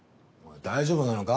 大丈夫なのか？